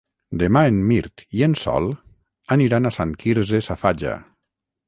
Demà en Mirt i en Sol aniran a Sant Quirze Safaja.